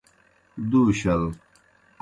دُو شل۔